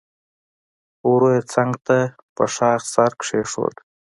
ورو يې څنګ ته په شاخ سر کېښود.